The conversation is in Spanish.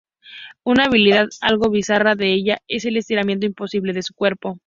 Una habilidad algo bizarra de ella es el estiramiento imposible de su cuerpo.